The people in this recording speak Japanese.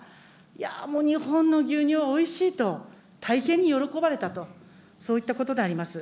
いやー、もう、日本の牛乳はおいしいと、大変に喜ばれたと、そういったことであります。